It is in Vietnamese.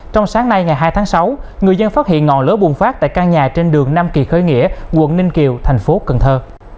trong sáng nay ngày hai tháng sáu người dân phát hiện ngọn lửa bùng phát tại căn nhà trên đường nam kỳ khởi nghĩa quận ninh kiều thành phố cần thơ